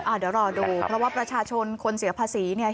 เดี๋ยวรอดูเพราะว่าประชาชนคนเสียภาษีเนี่ย